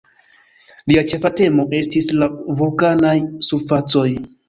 Lia ĉefa temo estis la vulkanaj surfacoj.